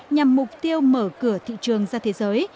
nhằm mục tiêu mở cửa thị trường ra thế giới